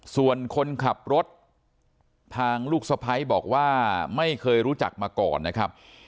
ส่วนคนขับรถทางลูกสะพ้ายบอกว่าไม่เคยรู้จักมาก่อนนะครับ